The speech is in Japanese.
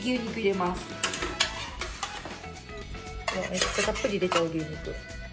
めっちゃたっぷり入れたい牛肉。